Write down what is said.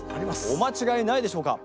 お間違えないでしょうか？